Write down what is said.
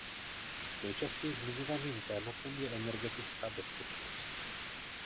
Nejčastěji zmiňovaným tématem je energetická bezpečnost.